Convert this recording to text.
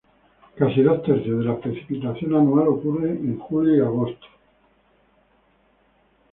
Casi dos tercios de la precipitación anual ocurre en julio y agosto solo.